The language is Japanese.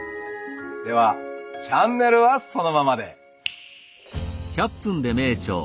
ではチャンネルはそのままで。